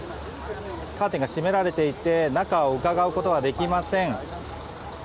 カーテンが閉められていて中をうかがうことはできません。